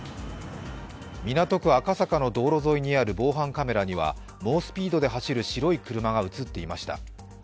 港区赤坂の道路沿いにある防犯カメラには猛スピードで走る白い車が映っていました。